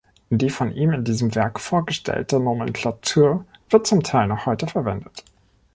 Die von ihm in diesem Werk vorgestellte Nomenklatur wird zum Teil noch heute verwendet.